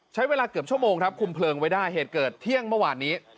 ใช้เวลาเกือบชั่วโมงครับคุมเพลิงไว้ได้เหตุเกิดเที่ยงเมื่อวานนี้